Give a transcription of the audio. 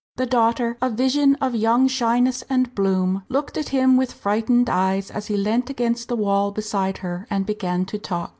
The daughter, a vision of young shyness and bloom, looked at him with frightened eyes as he leant against the wall beside her and began to talk.